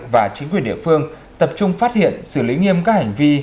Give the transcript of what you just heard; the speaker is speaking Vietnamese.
và chính quyền địa phương tập trung phát hiện xử lý nghiêm các hành vi